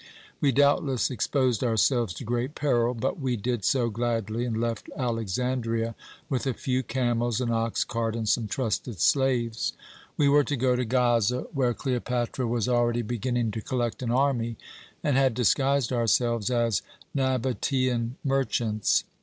We doubtless exposed ourselves to great peril, but we did so gladly, and left Alexandria with a few camels, an ox cart, and some trusted slaves. We were to go to Gaza, where Cleopatra was already beginning to collect an army, and had disguised ourselves as Nabatæan merchants.